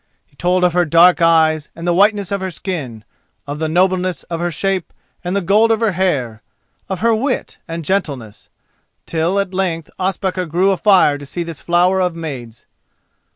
He told of her dark eyes and the whiteness of her skin, of the nobleness of her shape and the gold of her hair, of her wit and gentleness, till at length Ospakar grew afire to see this flower of maids.